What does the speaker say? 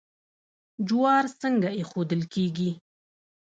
جوار څنګه ایښودل کیږي؟